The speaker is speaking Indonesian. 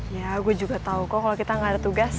ya gue juga tahu kok kalau kita gak ada tugas